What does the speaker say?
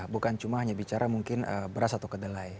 bukan cuma hanya bicara mungkin beras atau kedelai